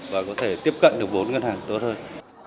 và có thể tiếp cận được vốn ngân hàng tốt hơn